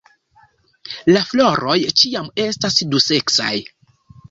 La floroj ĉiam estas duseksaj.